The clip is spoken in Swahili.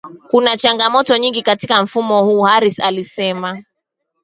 Kuna changamoto nyingi katika mfumo huo Harris alisema